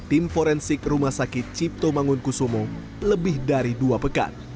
tim forensik rumah sakit cipto mangunkusumo lebih dari dua pekan